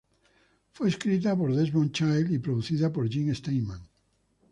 Fue escrita por Desmond Child y producida por Jim Steinman.